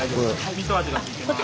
みそ味が付いてます。